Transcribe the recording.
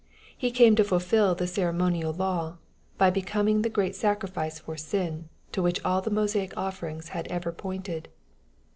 He came to fulfil the ceremonial laWy by becoming the great sacrifice for sin, to which all the Mosaic offerings had ever pointed.